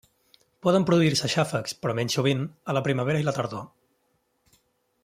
Poden produir-se xàfecs, però menys sovint, a la primavera i la tardor.